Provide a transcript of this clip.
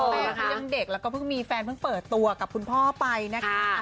แม่เขายังเด็กแล้วก็เพิ่งมีแฟนเพิ่งเปิดตัวกับคุณพ่อไปนะคะ